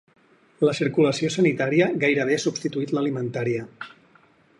La circulació sanitària gairebé ha substituït l’alimentària.